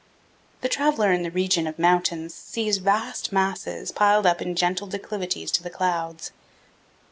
The traveler in the region of mountains sees vast masses piled up in gentle declivities to the clouds.